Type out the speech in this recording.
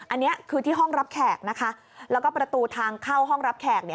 อันนี้คือที่ห้องรับแขกนะคะแล้วก็ประตูทางเข้าห้องรับแขก